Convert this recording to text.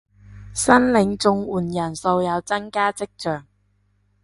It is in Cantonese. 申領綜援人數有增加跡象